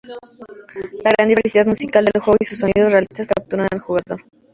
La gran diversidad musical del juego y sus sonidos realistas capturan al jugador.